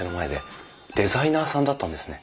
デザイナーさんだったんですね。